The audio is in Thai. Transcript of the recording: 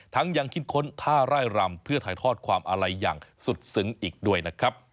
ยังคิดค้นท่าไร่รำเพื่อถ่ายทอดความอาลัยอย่างสุดซึ้งอีกด้วยนะครับ